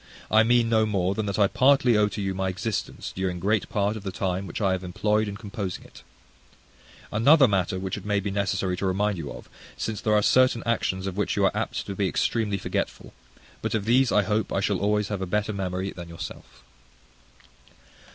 I mean no more than that I partly owe to you my existence during great part of the time which I have employed in composing it: another matter which it may be necessary to remind you of; since there are certain actions of which you are apt to be extremely forgetful; but of these I hope I shall always have a better memory than yourself.